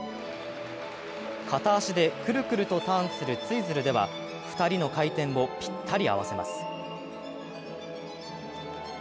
片足でくるくるとターンするツイズルでは２人の回転をぴったり合わせます。